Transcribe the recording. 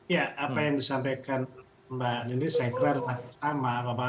ya apa yang disampaikan mbak nini saya kira adalah pertama